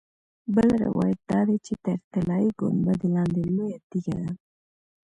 بل روایت دا دی چې تر طلایي ګنبدې لاندې لویه تیږه ده.